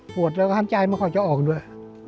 ปวดแล้วท่านใจมันค่อยจะออกด้วย